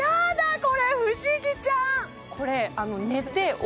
これ不思議ちゃん